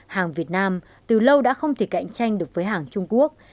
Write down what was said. hàng việt nam từ lâu đã không thể cạnh tranh được với hàng trung quốc